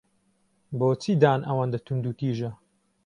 بۆچی دان ئەوەندە توندوتیژە؟